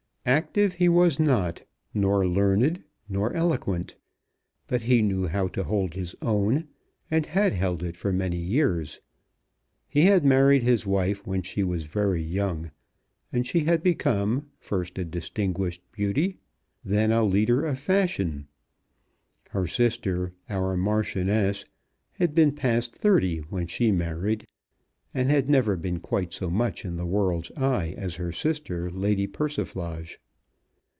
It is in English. Active he was not, nor learned, nor eloquent. But he knew how to hold his own, and had held it for many years. He had married his wife when she was very young, and she had become, first a distinguished beauty, and then a leader of fashion. Her sister, our Marchioness, had been past thirty when she married, and had never been quite so much in the world's eye as her sister, Lady Persiflage.